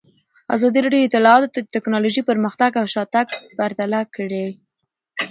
ازادي راډیو د اطلاعاتی تکنالوژي پرمختګ او شاتګ پرتله کړی.